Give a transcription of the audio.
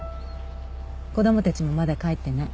子供たちもまだ帰ってない。